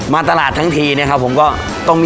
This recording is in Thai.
มาตลาดทั้งทีครับผม